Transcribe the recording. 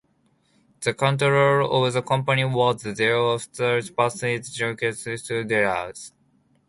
The control of the company was thereafter passed to Jacques Strumpen-Darrie.